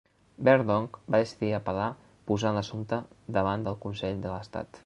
Verdonk va decidir apel·lar, posant l'assumpte davant del consell de l'estat.